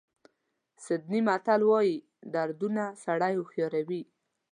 سویډني متل وایي دردونه سړی هوښیاروي.